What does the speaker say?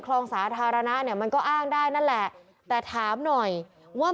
คลองสาธารณะเนี่ยมันก็อ้างได้นั่นแหละแต่ถามหน่อยว่า